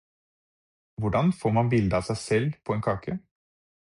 Hvordan får man bilde av seg selv på en kake?